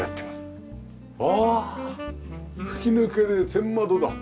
ああ吹き抜けで天窓だ。